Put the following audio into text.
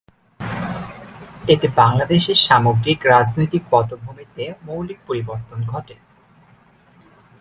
এতে বাংলাদেশের সামগ্রিক রাজনৈতিক পটভূমিতে মৌলিক পরিবর্তন ঘটে।